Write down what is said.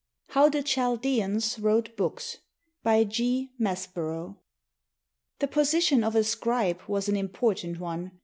HOW THE CHALDEANS WROTE BOOKS BY G. MASPERO The position of a scribe was an important one.